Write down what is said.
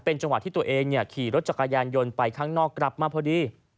จังหวะที่ตัวเองขี่รถจักรยานยนต์ไปข้างนอกกลับมาพอดี